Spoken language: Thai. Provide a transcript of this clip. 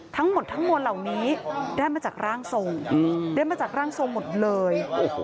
ทั้งหมดทั้งมวลเหล่านี้ได้มาจากร่างทรงได้มาจากร่างทรงหมดเลย